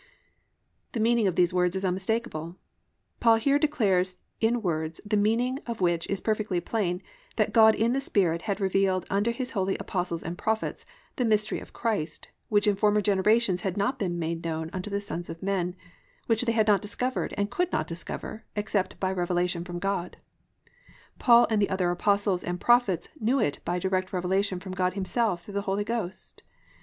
"+ The meaning of these words is unmistakable. Paul here declares in words the meaning of which is perfectly plain, that God "in the Spirit" had revealed "unto His holy apostles and prophets" "the mystery of Christ" which in former generations had not been made known unto the sons of men, which they had not discovered and could not discover except by revelation from God; Paul and the other apostles and prophets knew it by direct revelation from God himself through the Holy Ghost.